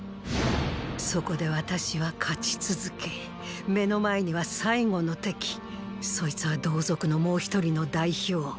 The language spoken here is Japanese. そこで私は勝ち続け目の前には最後の敵そいつは同族のもう一人の代表